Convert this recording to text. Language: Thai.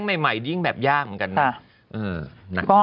ใหม่ยิ่งแบบยากเหมือนกันนะ